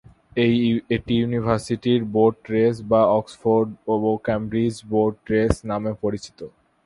এটি university boat race বা Oxford ও ক্যামব্রিজ বোট রেস নামেও পরিচিত।